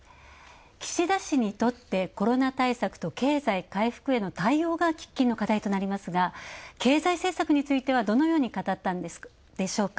岸田氏にとってコロナ対策と経済回復への対応が喫緊の課題となりますが経済政策については、どのように語ったんでしょうか。